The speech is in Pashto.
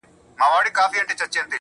o دا به چيري خيرن سي.